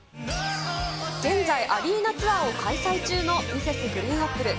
現在、アリーナツアーを開催中のＭｒｓ．ＧＲＥＥＮＡＰＰＬＥ。